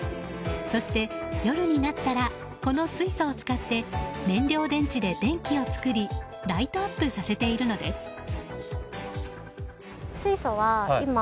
そして、夜になったらこの水素を使って燃料電池で電気を作りライトアップさせているのです。